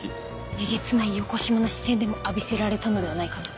えげつないよこしまな視線でも浴びせられたのではないかと。